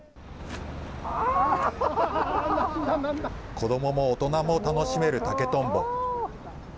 子どもも大人も楽しめる竹とんぼ。